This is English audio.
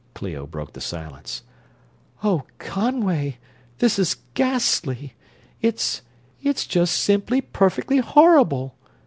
Clio broke the silence. "Oh, Conway, this is ghastly! It's ... it's just simply perfectly horrible!"